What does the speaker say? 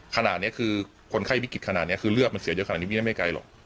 ขนาดนี้คือคนไข้วิกฤตขนาดนี้คือเลือดมันเสียเยอะขนาดนี้ไม่ได้ไม่ไกลหรอก